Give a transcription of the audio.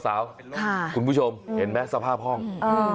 สาวค่ะคุณผู้ชมเห็นไหมสภาพห้องอืม